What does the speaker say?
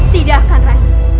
tidak akan rai